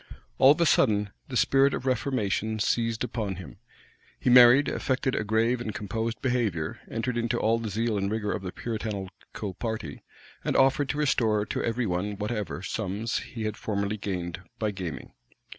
All of a sudden, the spirit of reformation seized him; he married, affected a grave and composed behavior entered into all the zeal and rigor of the Puritanical party, and offered to restore to every one whatever sums he had formerly gained by gaming.